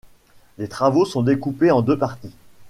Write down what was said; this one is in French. Les travaux sont découpés en deux parties.